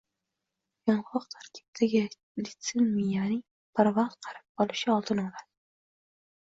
Yong'oq tarkibidagi litsin miyaning barvaqt qarib qolishi oldini oladi.